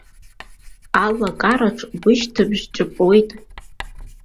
Алакараҿ быччабыжь ҿыпуеит.